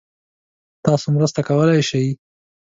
تاسو مرسته کولای شئ؟